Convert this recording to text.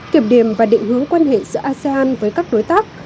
kiểm điểm và định hướng quan hệ giữa asean với các đối tác